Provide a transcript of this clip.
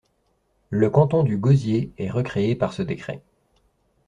Le canton du Gosier est recréé par ce décret.